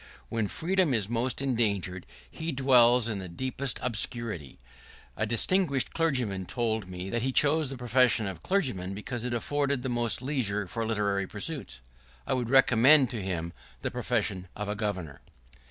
When freedom is most endangered, he dwells in the deepest obscurity. A distinguished clergyman told me that he chose the profession of a clergyman because it afforded the most leisure for literary pursuits. I would recommend to him the profession of a Governor.